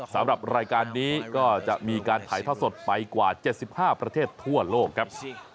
สำหรับรายการนี้ก็จะมีการถ่ายทอดสดไปกว่า๗๕ประเทศทั่วโลกครับ